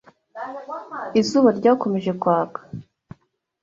Izuba ryakomeje kwaka